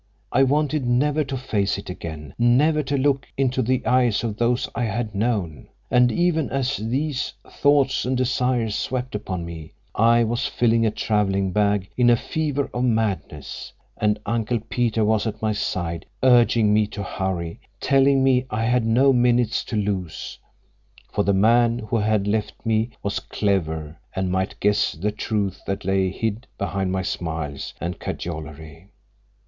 I wanted never to face it again, never to look into the eyes of those I had known. And even as these thoughts and desires swept upon me, I was filling a traveling bag in a fever of madness, and Uncle Peter was at my side, urging me to hurry, telling me I had no minutes to lose, for the man who had left me was clever and might guess the truth that lay hid behind my smiles and cajolery.